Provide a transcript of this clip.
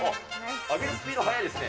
上げるスピード速いですね。